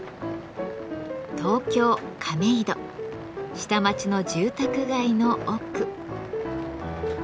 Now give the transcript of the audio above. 下町の住宅街の奥。